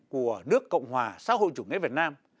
của nước cộng hòa xã hội chủ nghĩa việt nam